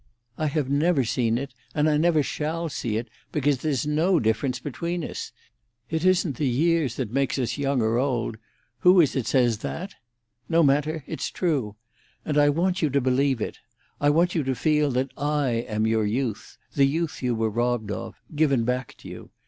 "I have never seen it, and I never shall see it, because there's no such difference between us. It isn't the years that make us young or old—who is it says that? No matter, it's true. And I want you to believe it. I want you to feel that I am your youth—the youth you were robbed of—given back to you.